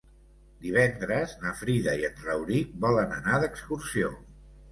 Divendres na Frida i en Rauric volen anar d'excursió.